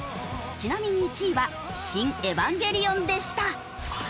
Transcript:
ちなみに１位は『シン・エヴァンゲリオン』でした。